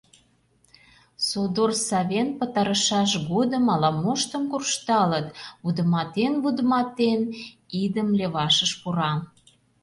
Содор савен пытарышаш годым ала-моштым куржталыт! — вудымалтен-вудымалтен, идым левашыш пура.